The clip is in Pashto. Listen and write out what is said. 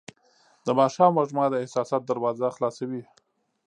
د ماښام وږمه د احساساتو دروازه خلاصوي.